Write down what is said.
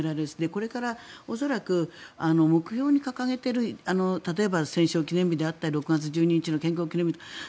これから恐らく目標に掲げている例えば戦勝記念日であったり６月１２日の建国記念日